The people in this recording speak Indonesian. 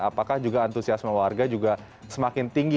apakah juga antusiasme warga juga semakin tinggi